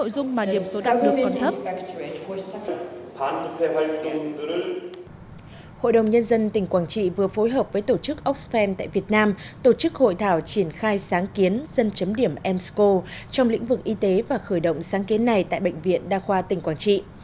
bệnh viện đa khoa tình quảng trị vừa phối hợp với tổ chức oxfam tại việt nam tổ chức hội thảo triển khai sáng kiến dân chấm điểm emsco trong lĩnh vực y tế và khởi động sáng kiến này tại bệnh viện đa khoa tình quảng trị